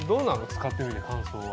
使ってみて感想は。